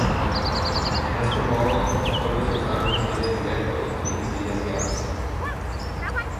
En este modo, solo se usaron misiles directos y misiles guiados.